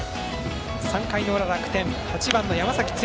３回の裏、楽天８番の山崎剛。